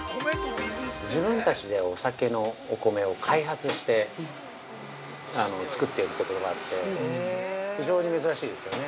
◆自分たちでお酒のお米を開発して作っているところがあって非常に珍しいですよね。